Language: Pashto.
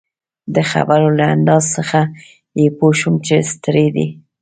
د خبرو له انداز څخه يې پوه شوم چي ستړی دی.